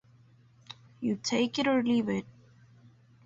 You take it or leave it.